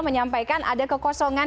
menyampaikan ada kekosongan